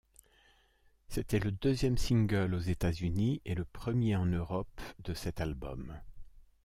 C'était le deuxième single aux États-Unis et le premier en Europe de cet album.